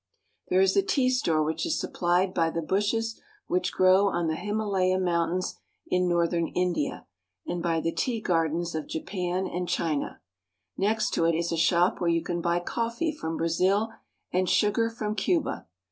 There is a tea store which is suppHed by the bushes which grow on the Himalaya Mountains in northern India and by the tea gardens of Japan and China. Next to it is a shop where you can buy coffee from Brazil and sugar from Cuba.